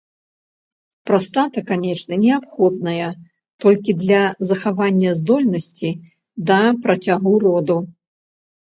Прастата канечне неабходная толькі для захавання здольнасці да працягу роду.